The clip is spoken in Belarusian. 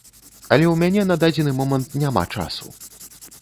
Але ў мяне на дадзены момант няма часу.